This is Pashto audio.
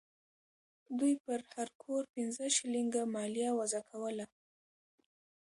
دوی پر هر کور پنځه شلینګه مالیه وضع کوله.